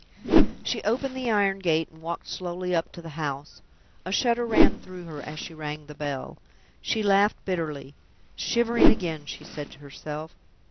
She opened the iron gate and walked slowly up to the house door. A shudder ran through her as she rang the bell. She laughed bitterly. "Shivering again!" she said to herself.